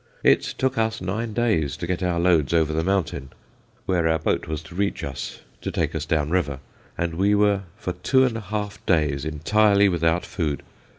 It took us nine days to get our loads over the mountain, where our boat was to reach us to take us down river. And we were for two and a half days entirely without food.